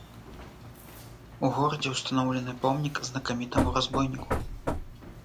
У горадзе ўстаноўлены помнік знакамітаму разбойніку.